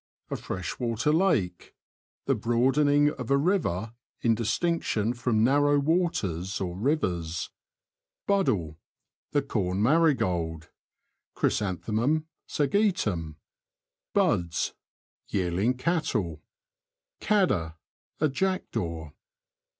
— A freshwater lake ; the broadening of a river, in distinction from narrow waters or rivers. BUDDLE. — The corn marigold {Chrysanthemum sege tum). Buds. — Yearling cattle. Cadder. — A jackdaw.